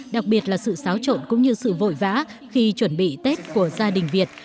đặc biệt là sự xáo trộn cũng như sự vội vã khi chuẩn bị tết của gia đình việt